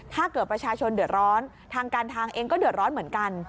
ถ้าเกิดประชาชนเดือดร้อนทางการทางเองก็เดือดร้อนเหมือนกัน